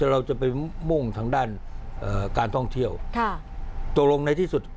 เราจะไปมุ่งทางด้านการท่องเที่ยวค่ะตกลงในที่สุด